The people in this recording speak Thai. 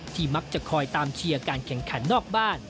มักจะคอยตามเชียร์การแข่งขันนอกบ้าน